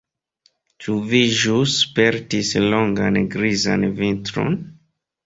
Ĉu vi ĵus spertis longan grizan vintron?